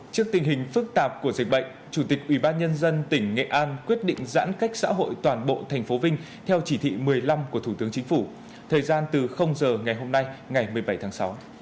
trước tình hình phức tạp của dịch bệnh chủ tịch ubnd tỉnh nghệ an quyết định giãn cách xã hội toàn bộ tp vinh theo chỉ thị một mươi năm của thủ tướng chính phủ thời gian từ giờ ngày hôm nay ngày một mươi bảy tháng sáu